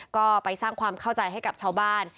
ก็ไปสร้างความเข้าใจให้กับชาวบ้าน